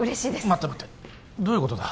待て待てどういうことだ？